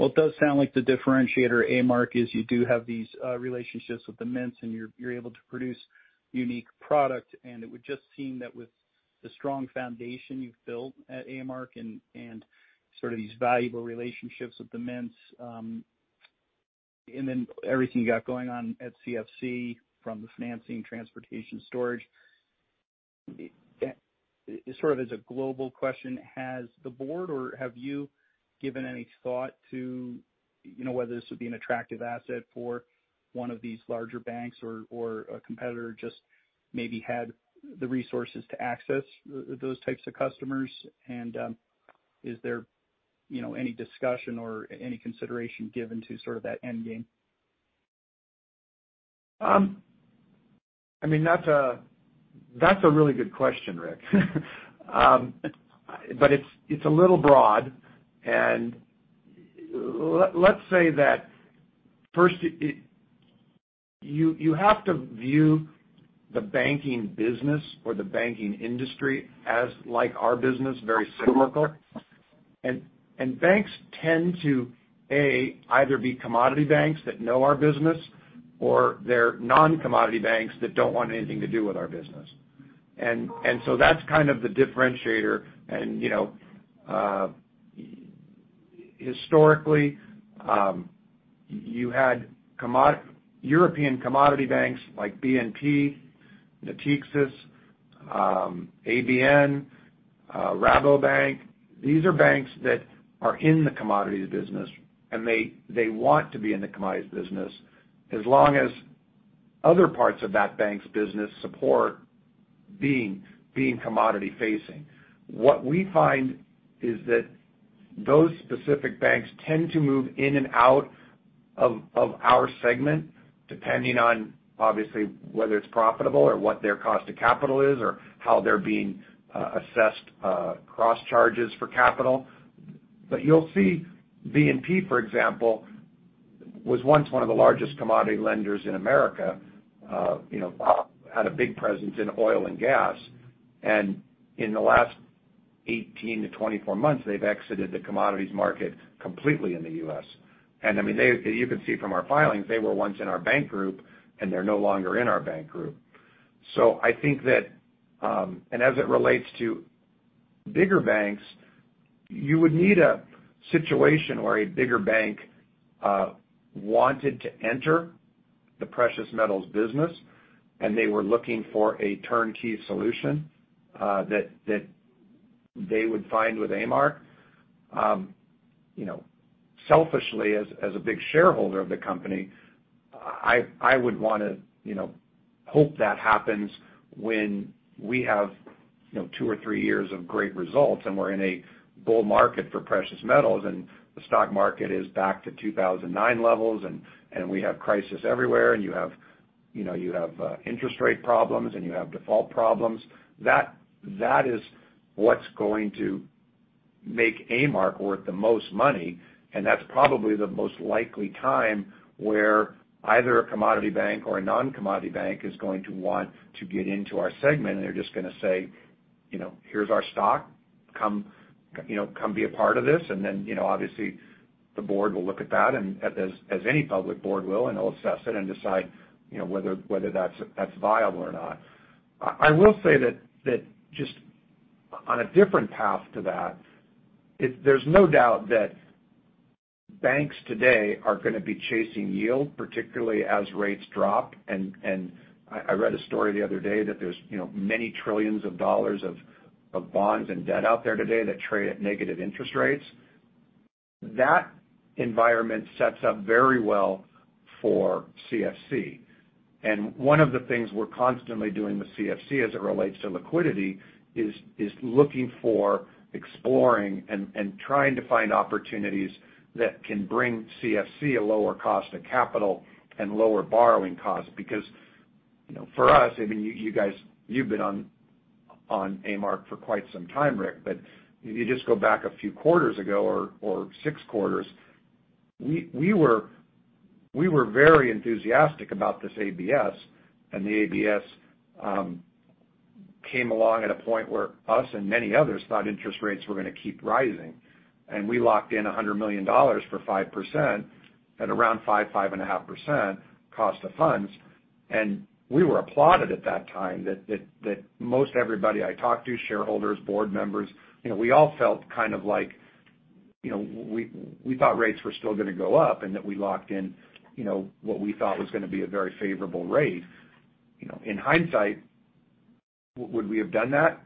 Well, it does sound like the differentiator, A-Mark, is you do have these relationships with the mints, and you're able to produce unique product, and it would just seem that with the strong foundation you've built at A-Mark and sort of these valuable relationships with the mints, and then everything you got going on at CFC from the financing, transportation, storage. Sort of as a global question, has the board or have you given any thought to whether this would be an attractive asset for one of these larger banks or a competitor just maybe had the resources to access those types of customers? Is there any discussion or any consideration given to sort of that end game? That's a really good question, Rick. It's a little broad. Let's say that, first, you have to view the banking business or the banking industry as like our business, very cyclical. Banks tend to, A, either be commodity banks that know our business, or they're non-commodity banks that don't want anything to do with our business. That's kind of the differentiator. Historically, you had European commodity banks like BNP, Natixis, ABN, Rabobank. These are banks that are in the commodities business, and they want to be in the commodities business as long as other parts of that bank's business support being commodity-facing. What we find is that those specific banks tend to move in and out of our segment, depending on, obviously, whether it's profitable or what their cost of capital is or how they're being assessed cross-charges for capital. You'll see BNP, for example, was once one of the largest commodity lenders in America, had a big presence in oil and gas. In the last 18 to 24 months, they've exited the commodities market completely in the U.S. You can see from our filings, they were once in our bank group, and they're no longer in our bank group. As it relates to bigger banks, you would need a situation where a bigger bank wanted to enter the precious metals business, and they were looking for a turnkey solution that they would find with A-Mark. Selfishly, as a big shareholder of the company, I would want to hope that happens when we have two or three years of great results and we're in a bull market for precious metals, and the stock market is back to 2009 levels, and we have crisis everywhere, and you have interest rate problems, and you have default problems. That is what's going to make A-Mark worth the most money, and that's probably the most likely time where either a commodity bank or a non-commodity bank is going to want to get into our segment, and they're just going to say, "Here's our stock. Come be a part of this." Obviously, the board will look at that, and as any public board will, and they'll assess it and decide whether that's viable or not. I will say that just on a different path to that, there's no doubt that banks today are going to be chasing yield, particularly as rates drop. I read a story the other day that there's many $ trillions of bonds and debt out there today that trade at negative interest rates. That environment sets up very well for CFC. One of the things we're constantly doing with CFC as it relates to liquidity is looking for, exploring, and trying to find opportunities that can bring CFC a lower cost of capital and lower borrowing costs. Because for us, you've been on A-Mark for quite some time, Rick, but if you just go back a few quarters ago or six quarters, we were very enthusiastic about this ABS. The ABS came along at a point where us and many others thought interest rates were going to keep rising. We locked in $100 million for 5%, at around 5%-5.5% cost of funds. We were applauded at that time that most everybody I talked to, shareholders, board members, we all felt like, we thought rates were still going to go up and that we locked in what we thought was going to be a very favorable rate. In hindsight, would we have done that?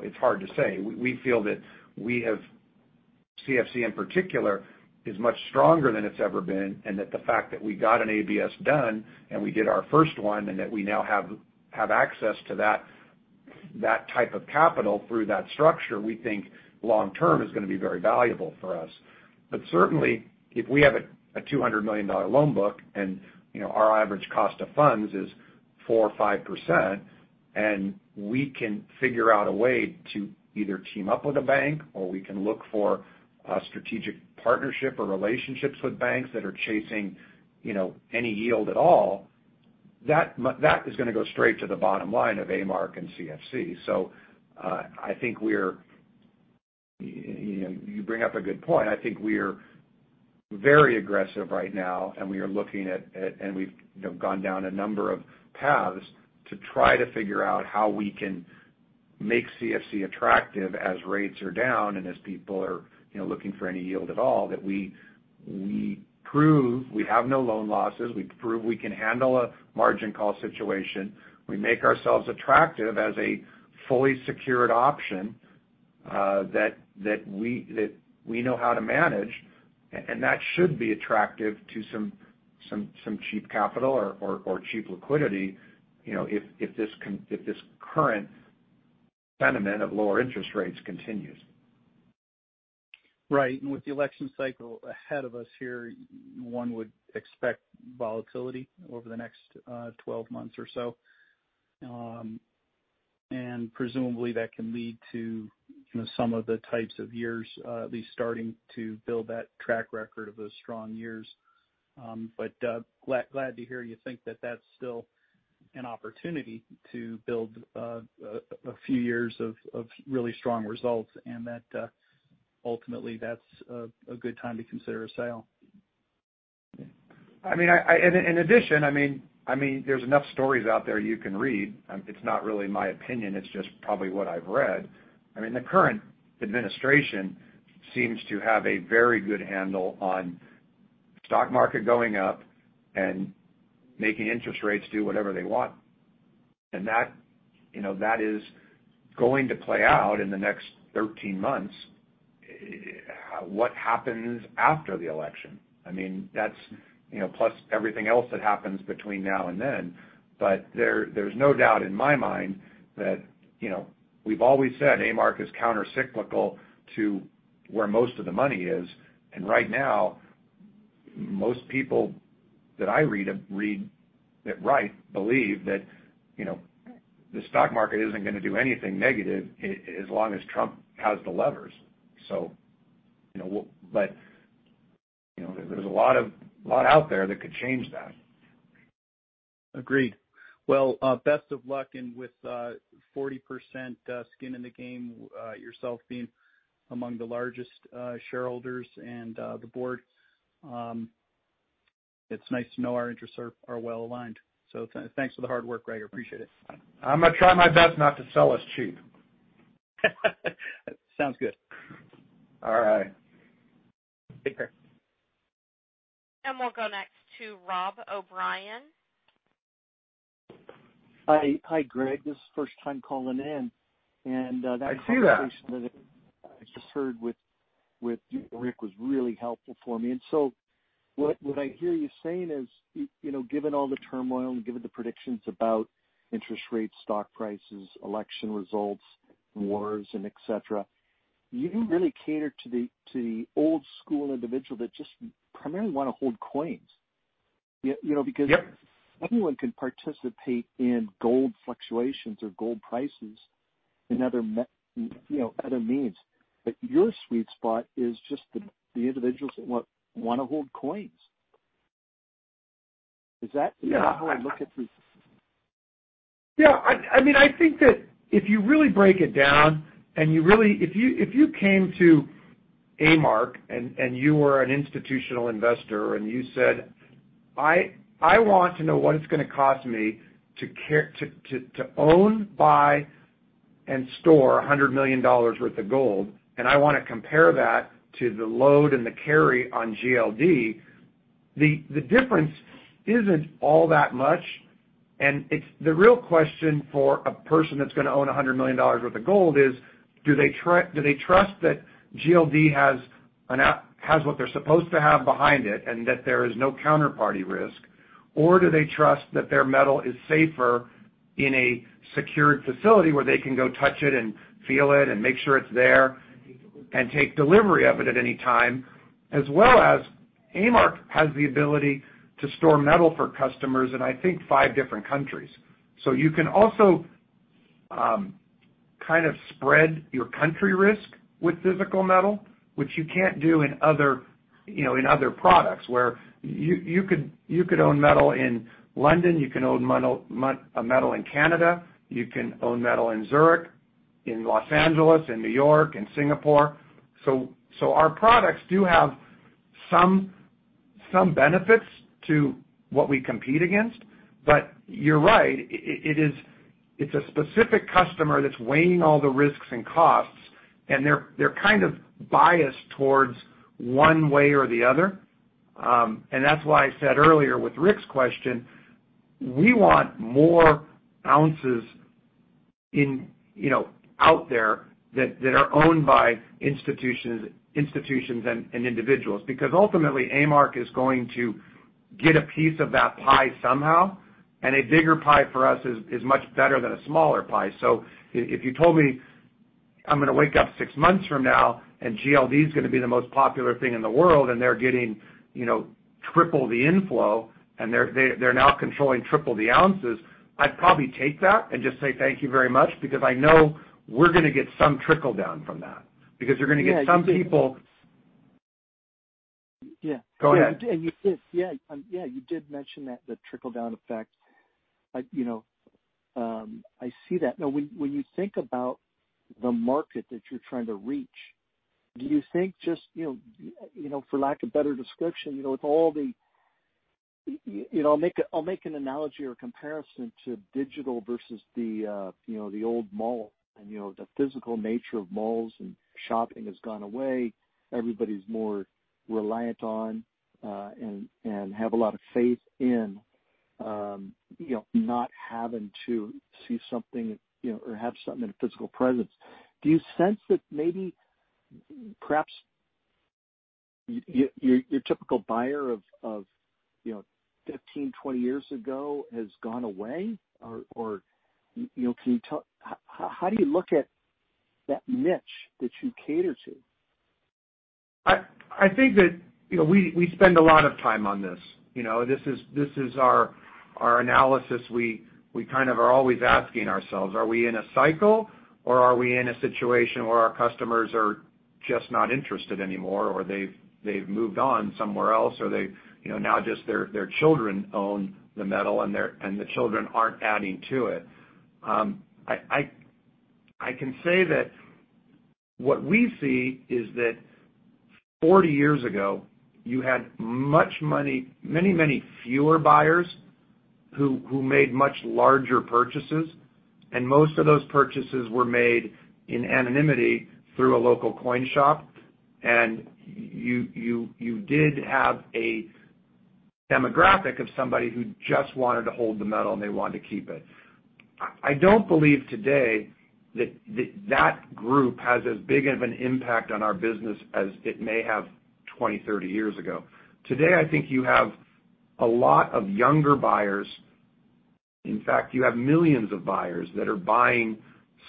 It's hard to say. We feel that we have, CFC in particular, is much stronger than it's ever been, and that the fact that we got an ABS done and we did our first one, and that we now have access to that type of capital through that structure, we think long term is going to be very valuable for us. Certainly, if we have a $200 million loan book and our average cost of funds is 4% or 5%, and we can figure out a way to either team up with a bank or we can look for a strategic partnership or relationships with banks that are chasing any yield at all, that is going to go straight to the bottom line of A-Mark and CFC. I think you bring up a good point. I think we're very aggressive right now, and we are looking at, and we've gone down a number of paths to try to figure out how we can make CFC attractive as rates are down and as people are looking for any yield at all. That we prove we have no loan losses, we prove we can handle a margin call situation. We make ourselves attractive as a fully secured option that we know how to manage. That should be attractive to some cheap capital or cheap liquidity, if this current sentiment of lower interest rates continues. Right. With the election cycle ahead of us here, one would expect volatility over the next 12 months or so. Presumably, that can lead to some of the types of years, at least starting to build that track record of those strong years. Glad to hear you think that that's still an opportunity to build a few years of really strong results and that ultimately that's a good time to consider a sale. In addition, there's enough stories out there you can read. It's not really my opinion, it's just probably what I've read. The current administration seems to have a very good handle on stock market going up and making interest rates do whatever they want. That is going to play out in the next 13 months. What happens after the election? Plus everything else that happens between now and then. There's no doubt in my mind that we've always said A-Mark is countercyclical to where most of the money is. Right now, most people that I read that write believe that the stock market isn't going to do anything negative as long as Trump has the levers. There's a lot out there that could change that. Agreed. Well, best of luck and with 40% skin in the game, yourself being among the largest shareholders and the board, it's nice to know our interests are well-aligned. Thanks for the hard work, Greg. I appreciate it. I'm going to try my best not to sell us cheap. Sounds good. All right. Take care. We'll go next to Rob O'Brien. Hi, Greg. This is first time calling in. I see that. that conversation that I just heard with Rick was really helpful for me. What I hear you saying is, given all the turmoil and given the predictions about interest rates, stock prices, election results, wars, and et cetera, you really cater to the old school individual that just primarily want to hold coins. Yep Anyone can participate in gold fluctuations or gold prices and other means. Your sweet spot is just the individuals that want to hold coins. Is that how I look at the? Yeah. I think that if you really break it down and if you came to A-Mark and you were an institutional investor, and you said, "I want to know what it's going to cost me to own, buy, and store $100 million worth of gold, and I want to compare that to the load and the carry on GLD," the difference isn't all that much. The real question for a person that's going to own $100 million worth of gold is, do they trust that GLD has what they're supposed to have behind it and that there is no counterparty risk? Do they trust that their metal is safer in a secured facility where they can go touch it and feel it and make sure it's there? Take delivery of it at any time, as well as A-Mark has the ability to store metal for customers in, I think, five different countries. You can also kind of spread your country risk with physical metal, which you can't do in other products, where you could own metal in London, you can own metal in Canada, you can own metal in Zurich, in Los Angeles, in New York, in Singapore. Our products do have some benefits to what we compete against. You're right, it's a specific customer that's weighing all the risks and costs, and they're kind of biased towards one way or the other. That's why I said earlier with Rick's question, we want more ounces out there that are owned by institutions and individuals. Ultimately, A-Mark is going to get a piece of that pie somehow, and a bigger pie for us is much better than a smaller pie. If you told me, I'm going to wake up six months from now and GLD is going to be the most popular thing in the world, and they're getting triple the inflow, and they're now controlling triple the ounces, I'd probably take that and just say, "Thank you very much," because I know we're going to get some trickle-down from that. You're going to get some people- Yeah. Go ahead. Yeah. You did mention that, the trickle-down effect. I see that. Now, when you think about the market that you're trying to reach, do you think just, for lack of better description, with all the I'll make an analogy or comparison to digital versus the old mall and the physical nature of malls and shopping has gone away. Everybody's more reliant on, and have a lot of faith in not having to see something or have something in a physical presence. Do you sense that maybe perhaps your typical buyer of 15, 20 years ago has gone away? Or, how do you look at that niche that you cater to? I think that we spend a lot of time on this. This is our analysis. We kind of are always asking ourselves, are we in a cycle or are we in a situation where our customers are just not interested anymore, or they've moved on somewhere else, or now just their children own the metal and the children aren't adding to it? I can say that what we see is that 40 years ago, you had many fewer buyers who made much larger purchases, and most of those purchases were made in anonymity through a local coin shop. You did have a demographic of somebody who just wanted to hold the metal, and they wanted to keep it. I don't believe today that that group has as big of an impact on our business as it may have 20, 30 years ago. Today, I think you have a lot of younger buyers. In fact, you have millions of buyers that are buying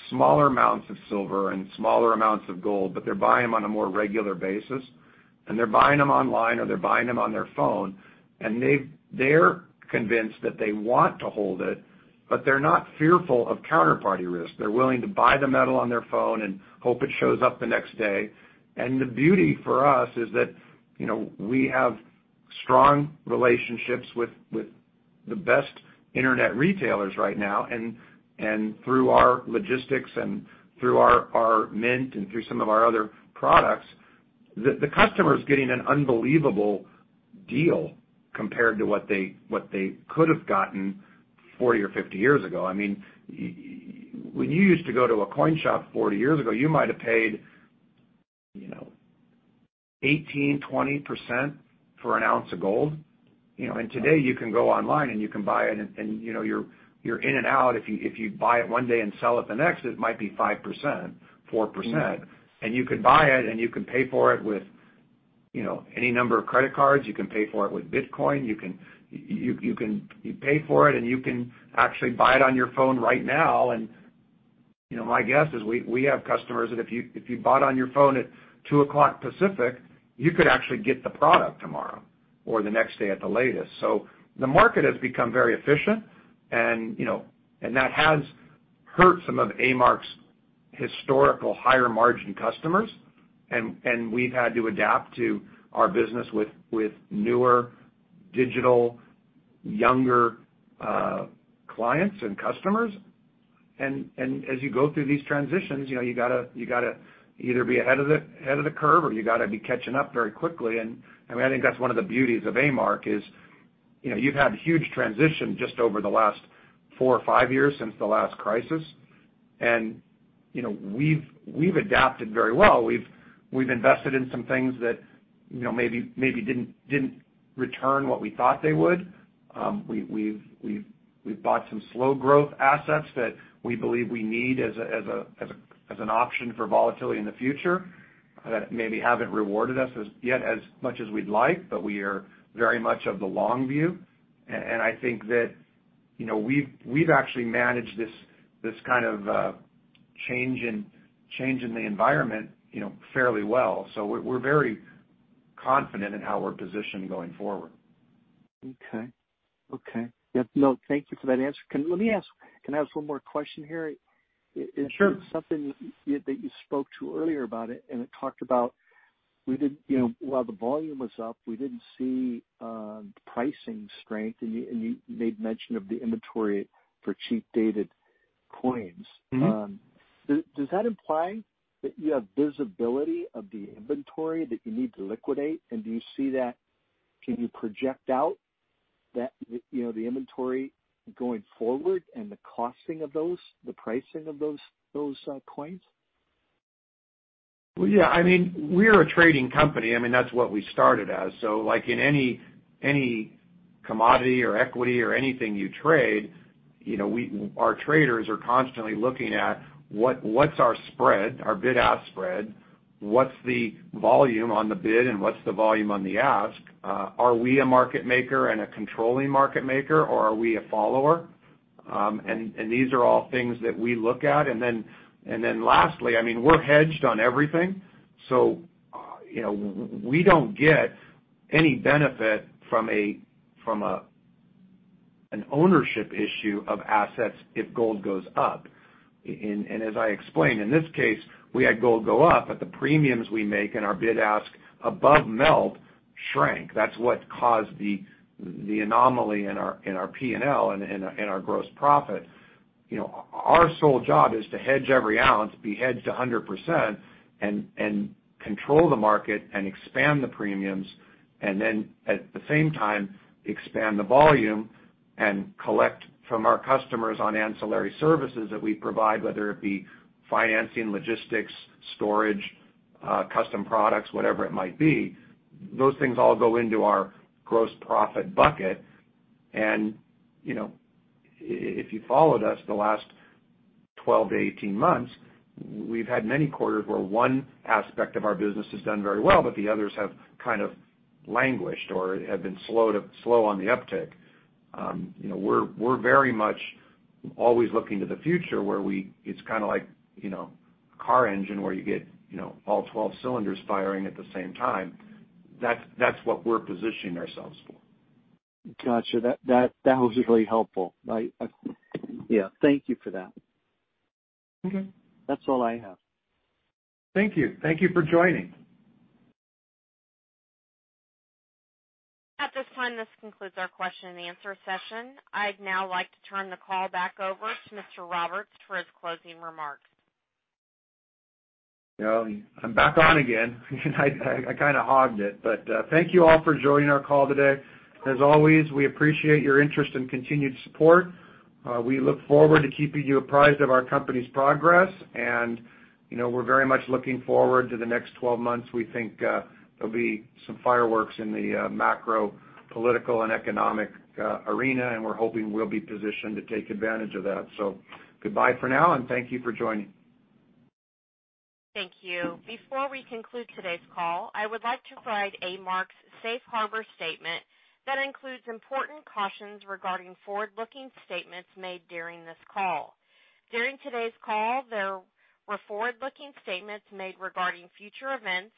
smaller amounts of silver and smaller amounts of gold, but they're buying them on a more regular basis, and they're buying them online, or they're buying them on their phone. They're convinced that they want to hold it, but they're not fearful of counterparty risk. They're willing to buy the metal on their phone and hope it shows up the next day. The beauty for us is that we have strong relationships with the best internet retailers right now, and through our logistics and through our mint and through some of our other products, the customer is getting an unbelievable deal compared to what they could have gotten 40 or 50 years ago. When you used to go to a coin shop 40 years ago, you might have paid 18%-20% for an ounce of gold. Today you can go online and you can buy it, and you're in and out. If you buy it one day and sell it the next, it might be 5%, 4%. You could buy it and you can pay for it with any number of credit cards. You can pay for it with Bitcoin. You pay for it, and you can actually buy it on your phone right now. My guess is we have customers that if you bought on your phone at 2:00 Pacific, you could actually get the product tomorrow or the next day at the latest. The market has become very efficient, and that has hurt some of A-Mark's historical higher margin customers. We've had to adapt to our business with newer digital, younger clients and customers. As you go through these transitions, you got to either be ahead of the curve or you got to be catching up very quickly. I think that's one of the beauties of A-Mark is you've had huge transition just over the last four or five years since the last crisis. We've adapted very well. We've invested in some things that maybe didn't return what we thought they would. We've bought some slow growth assets that we believe we need as an option for volatility in the future that maybe haven't rewarded us as yet as much as we'd like, but we are very much of the long view. I think that we've actually managed this kind of change in the environment fairly well. We're very confident in how we're positioned going forward. Okay. Thank you for that answer. Can I ask one more question here? Sure. Something that you spoke to earlier about it, and it talked about while the volume was up, we didn't see pricing strength, and you made mention of the inventory for cheap dated coins. Does that imply that you have visibility of the inventory that you need to liquidate, and can you project out the inventory going forward and the costing of those, the pricing of those coins? Yeah. We're a trading company. That's what we started as. Like in any commodity or equity or anything you trade, our traders are constantly looking at what's our spread, our bid-ask spread, what's the volume on the bid, and what's the volume on the ask. Are we a market maker and a controlling market maker, or are we a follower? These are all things that we look at. Lastly, we're hedged on everything, so we don't get any benefit from an ownership issue of assets if gold goes up. As I explained, in this case, we had gold go up, but the premiums we make and our bid-ask above melt shrank. That's what caused the anomaly in our P&L and our gross profit. Our sole job is to hedge every ounce, be hedged 100%, and control the market and expand the premiums, and then at the same time, expand the volume and collect from our customers on ancillary services that we provide, whether it be financing, logistics, storage, custom products, whatever it might be. Those things all go into our gross profit bucket. If you followed us the last 12 to 18 months, we've had many quarters where one aspect of our business has done very well, but the others have kind of languished or have been slow on the uptick. We're very much always looking to the future where it's kind of like a car engine where you get all 12 cylinders firing at the same time. That's what we're positioning ourselves for. Got you. That was really helpful. Thank you for that. Okay. That's all I have. Thank you. Thank you for joining. At this time, this concludes our question and answer session. I'd now like to turn the call back over to Mr. Roberts for his closing remarks. I'm back on again. I kind of hogged it. Thank you all for joining our call today. As always, we appreciate your interest and continued support. We look forward to keeping you apprised of our company's progress, and we're very much looking forward to the next 12 months. We think there'll be some fireworks in the macro political and economic arena, and we're hoping we'll be positioned to take advantage of that. So goodbye for now, and thank you for joining. Thank you. Before we conclude today's call, I would like to provide A-Mark's Safe Harbor statement that includes important cautions regarding forward-looking statements made during this call. During today's call, there were forward-looking statements made regarding future events.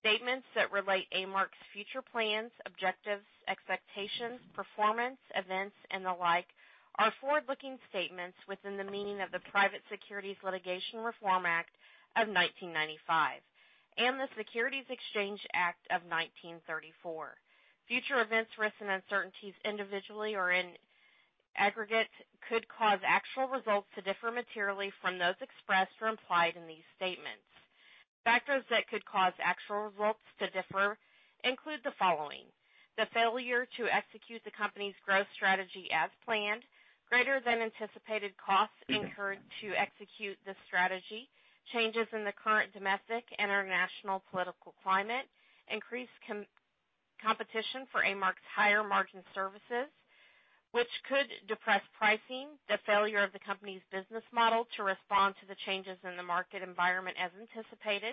Statements that relate A-Mark's future plans, objectives, expectations, performance, events, and the like are forward-looking statements within the meaning of the Private Securities Litigation Reform Act of 1995 and the Securities Exchange Act of 1934. Future events, risks, and uncertainties, individually or in aggregate, could cause actual results to differ materially from those expressed or implied in these statements. Factors that could cause actual results to differ include the following. The failure to execute the company's growth strategy as planned, greater than anticipated costs incurred to execute the strategy, changes in the current domestic, international political climate, increased competition for A-Mark's higher margin services, which could depress pricing, the failure of the company's business model to respond to the changes in the market environment as anticipated.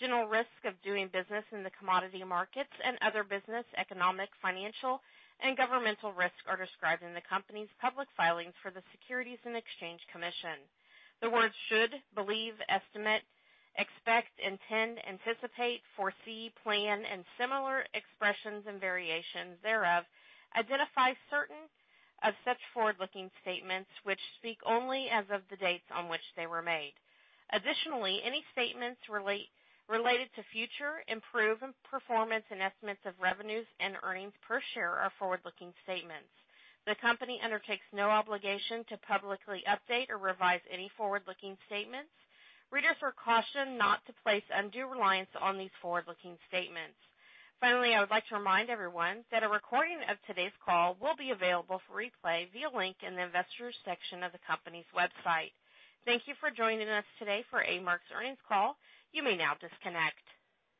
General risk of doing business in the commodity markets and other business economic, financial, and governmental risks are described in the company's public filings for the Securities and Exchange Commission. The words should, believe, estimate, expect, intend, anticipate, foresee, plan, and similar expressions and variations thereof, identify certain of such forward-looking statements which speak only as of the dates on which they were made. Additionally, any statements related to future improved performance and estimates of revenues and earnings per share are forward-looking statements. The company undertakes no obligation to publicly update or revise any forward-looking statements. Readers are cautioned not to place undue reliance on these forward-looking statements. Finally, I would like to remind everyone that a recording of today's call will be available for replay via link in the Investors section of the company's website. Thank you for joining us today for A-Mark's earnings call. You may now disconnect.